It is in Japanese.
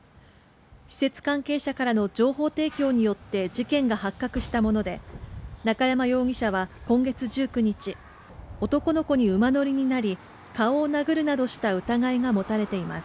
施設関係者からの情報提供によって事件が発覚したもので、中山容疑者は今月１９日、男の子に馬乗りになり、顔を殴るなどした疑いが持たれています。